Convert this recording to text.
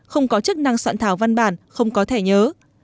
không có chức năng soạn thảo văn bản không có thẻ nhớ